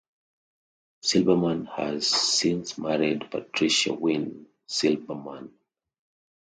Silberman has since married Patricia Winn Silberman.